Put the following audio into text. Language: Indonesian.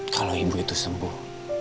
kalau ibu itu sembuh